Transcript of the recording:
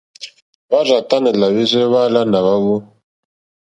Hwá rzà tánɛ̀ làhwírzɛ́ hwáàlánà hwáwú.